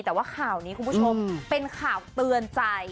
แต่ว่าข่าวนี้คุณผู้ชมเป็นข่าวเตือนใจ